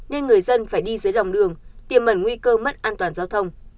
nên người dân phải đi dưới lòng đường tiềm mẩn nguy cơ mất an toàn giao thông